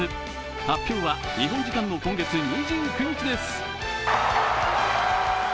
発表は日本時間の今月２９日です。